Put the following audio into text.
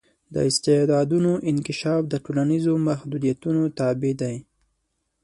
د استعدادونو انکشاف د ټولنیزو محدودیتونو تابع دی.